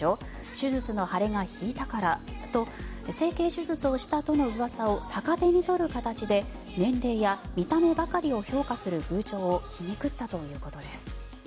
手術の腫れが引いたからと整形手術をしたとのうわさを逆手に取る形で年齢や見た目ばかりを評価する風潮を皮肉ったということです。